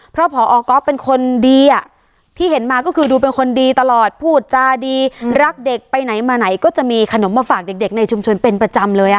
เพราะพอก๊อฟเป็นคนดีอ่ะที่เห็นมาก็คือดูเป็นคนดีตลอดพูดจาดีรักเด็กไปไหนมาไหนก็จะมีขนมมาฝากเด็กในชุมชนเป็นประจำเลย